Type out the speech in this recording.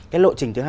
cái lộ trình thứ hai